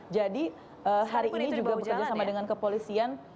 jadi hari ini juga bekerja sama dengan kepolisian